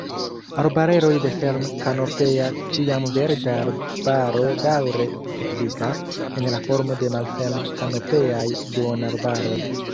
Arbareroj de ferm-kanopea ĉiamverda arbaro daŭre ekzistas, en la formo de malferm-kanopeaj duonarbaroj.